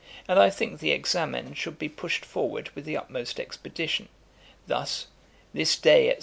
And I think the Examen should be pushed forward with the utmost expedition. Thus, "This day, &c.